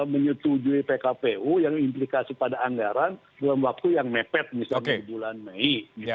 menyetujui pkpu yang implikasi pada anggaran dalam waktu yang mepet misalnya di bulan mei